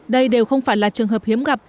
đây đều không phải là trường hợp hiếm gặp